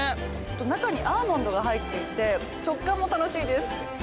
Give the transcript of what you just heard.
中にアーモンドが入っていて食感も楽しいです。